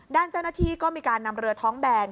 ด้านเจ้าหน้าที่ก็มีการนำเรือท้องแบน